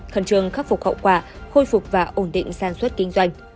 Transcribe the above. khẩn trương khắc phục hậu quả khôi phục và ổn định sản xuất kinh doanh